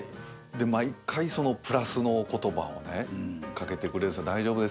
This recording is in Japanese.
で毎回プラスのお言葉をねかけてくれるんです。